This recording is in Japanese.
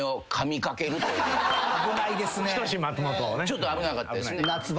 ちょっと危なかったですね。